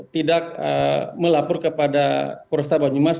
tidak melapor kepada polresta banyumas